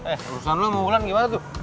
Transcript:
eh urusan lo mau pulang gimana tuh